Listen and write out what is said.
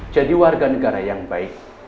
jadi warga negara yang baik